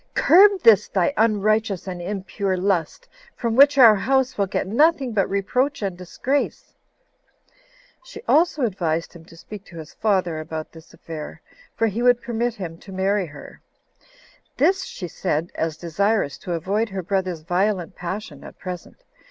Curb this thy unrighteous and impure lust, from which our house will get nothing but reproach and disgrace." She also advised him to speak to his father about this affair; for he would permit him [to marry her]. This she said, as desirous to avoid her brother's violent passion at present.